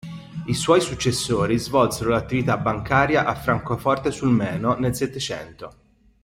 I suoi successori svolsero l'attività bancaria a Francoforte sul Meno nel Settecento.